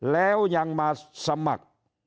แล้วยังมาสมัคร